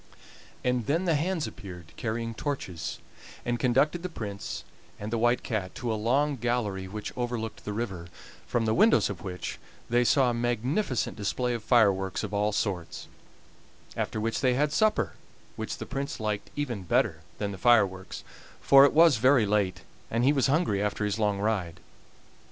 And then the hands appeared carrying torches, and conducted the Prince and the White Cat to a long gallery which overlooked the river, from the windows of which they saw a magnificent display of fireworks of all sorts; after which they had supper, which the Prince liked even better than the fireworks, for it was very late, and he was hungry after his long ride.